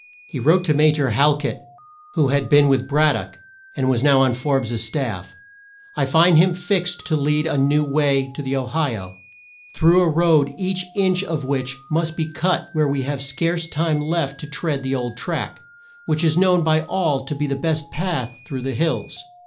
He wrote to Ma jor Hal ket, who had been with Brad dock, and was now on Forbes' staff: "I find him fixed to lead you a new way to the O hi o, through a road each inch of which must be cut when we have scarce time left to tread the old track, which is known by all to be the best path through the hills."